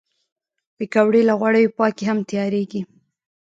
پکورې له غوړیو پاکې هم تیارېږي